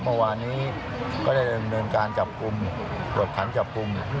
เมื่อวานนี้ก็ได้เริ่มเริ่มการจับคุมตรวจขันจับคุม